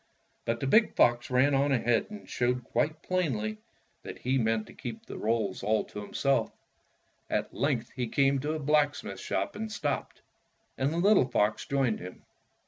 But the big fox ran on ahead and showed quite plainly that he meant to keep the rolls 86 Fairy Tale Foxes all to himself. At length he came to a black smith's shop and stopped, and the little fox joined him.